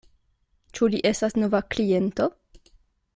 Ĉu li estas nova kliento?